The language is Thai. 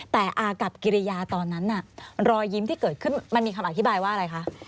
แต่อากับกิริยาตอนนั้นน่ะรอยยิ้มที่เกิดขึ้นมันมีคำอธิบายว่าอะไรคะ